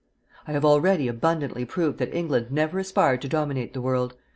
I have already abundantly proved that England never aspired to dominate the world.